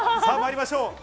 さあまいりましょう。